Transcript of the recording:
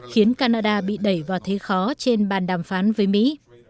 khiến canada bị đẩy vào thế khó trên bàn đàm phán với mỹ